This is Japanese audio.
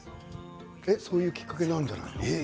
そういうきっかけなんじゃないの。